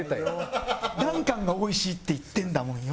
ダンカンが「おいしい」って言ってんだもんよ。